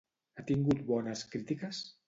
Ha tingut bones crítiques?